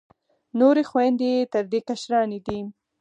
نورې خویندې یې تر دې کشرانې دي.